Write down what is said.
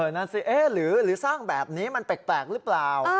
นั่นสิหรือสร้างแบบนี้มันแปลกหรือเปล่า